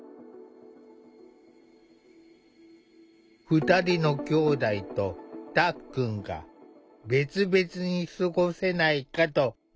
２人のきょうだいとたっくんが別々に過ごせないかと考えた。